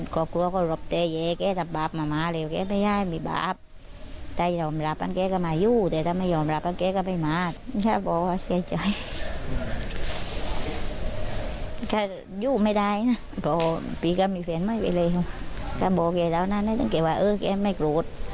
ก็บอกแกแล้วนะตั้งแต่แกว่าแกไม่โกรธ